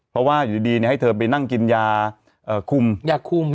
เพราะว่าอยู่ดีให้เธอไปนั่งกินยาคุมยาคุม